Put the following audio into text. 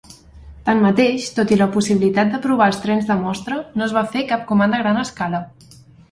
Tanmateix, tot i la possibilitat de provar els trens de mostra, no es va fer cap comanda a gran escala.